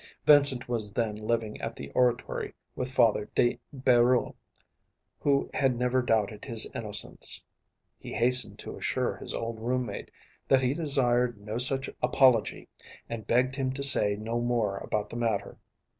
Vincent was then living at the Oratory with Father de Bérulle, who had never doubted his innocence. He hastened to assure his old roommate that he desired no such apology and begged him to say no more about the matter.